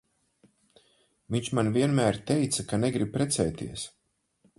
Viņš man vienmēr teica, ka negrib precēties.